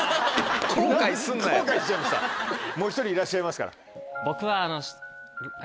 もう１人いらっしゃいますから。